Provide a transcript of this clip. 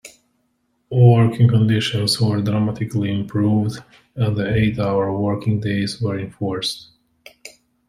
Working conditions were dramatically improved and the eight-hour working days were enforced.